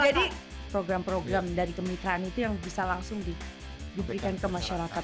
program program dari kemitraan itu yang bisa langsung diberikan ke masyarakat